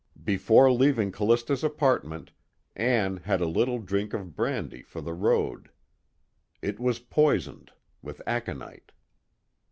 Before leaving Callista's apartment, Ann had a little drink of brandy for the road. It was poisoned, with aconite.